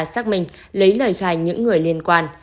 xác minh lấy lời khai những người liên quan